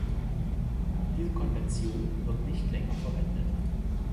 Diese Konvention wird nicht länger verwendet.